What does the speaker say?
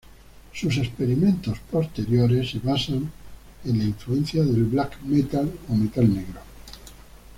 Sus experimentos posteriores se basan por la influencia del black metal o metal negro.